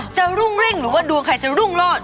จะรุ่งเร่งหรือดูใครจะรุ่งลอด